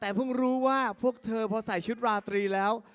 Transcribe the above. แต่เพิ่งรู้ว่าพวกเธอพอใส่ชุดราตรีแล้ว